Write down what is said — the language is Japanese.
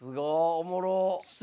おもろっ！